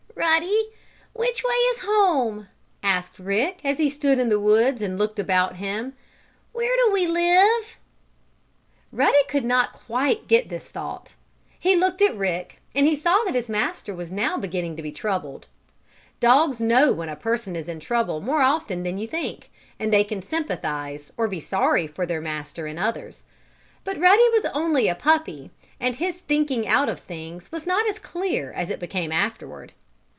"Ruddy, which way is home?" asked Rick, as he stood in the woods, and looked about him. "Where do we live?" Ruddy could not quite get this thought. He looked at Rick, and he saw that his master was now beginning to be troubled. Dogs know when a person is in trouble more often than you think, and they can sympathize, or be sorry, for their master and others. But Ruddy was only a puppy and his thinking out of things was not as clear as it became afterward.